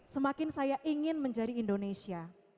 semakin saya ingin menjadi indonesia